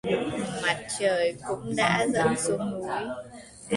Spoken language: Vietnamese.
Mặt trời cũng đã dẫn xuống núi